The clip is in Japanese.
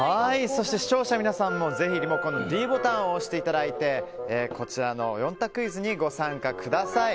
そして、視聴者の皆さんもぜひリモコンのｄボタンを押して４択クイズにご参加ください。